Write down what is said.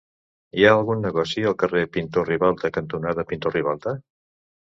Hi ha algun negoci al carrer Pintor Ribalta cantonada Pintor Ribalta?